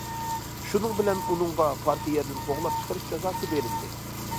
شۇنىڭ بىلەن، ئۇنىڭغا پارتىيەدىن قوغلاپ چىقىرىش جازاسى بېرىلدى.